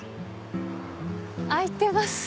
開いてます！